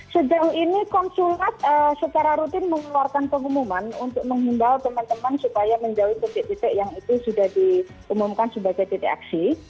sejauh ini konsulat secara rutin mengeluarkan pengumuman untuk menghimbau teman teman supaya menjauhi titik titik yang itu sudah diumumkan sebagai titik aksi